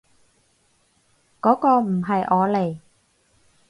嗰個唔係我嚟